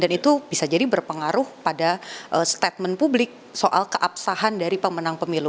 dan itu bisa jadi berpengaruh pada statement publik soal keapsahan dari pemenang pemilu